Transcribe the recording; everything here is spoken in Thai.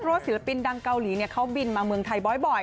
เพราะว่าศิลปินดังเกาหลีเขาบินมาเมืองไทยบ่อย